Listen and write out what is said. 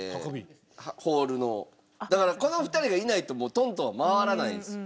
だからこの２人がいないともう東東は回らないんです。